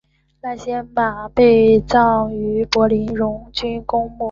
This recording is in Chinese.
赖歇瑙被葬于柏林荣军公墓。